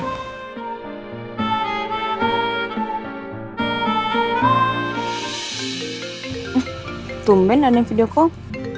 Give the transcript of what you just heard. ah tumpen ada yang videokom